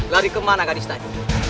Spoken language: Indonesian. lari kemana gadis tadi